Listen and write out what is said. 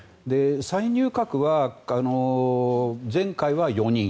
再入閣は前回は４人